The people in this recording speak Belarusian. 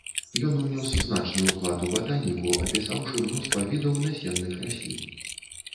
Ён унёс значны ўклад у батаніку, апісаўшы мноства відаў насенных раслін.